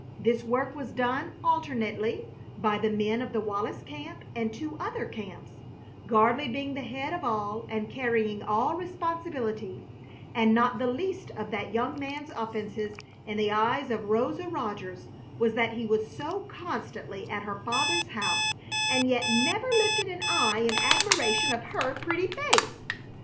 This work was done alternately by the men of the Wallis camp and two other camps, Gardley being the head of all and carrying all responsibility; and not the least of that young man's offenses in the eyes of Rosa Rogers was that he was so constantly at her father's house and yet never lifted an eye in admiration of her pretty face.